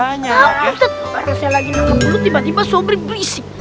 barangkali saya lagi nangkep belut tiba tiba sobri berisik